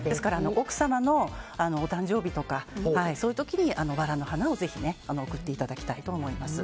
奥様のお誕生日とかそういう時にバラの花をぜひ贈っていただきたいと思います。